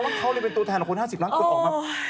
ว่าเขาเป็นตัวแทนของคน๕๐ล้านคนออกมา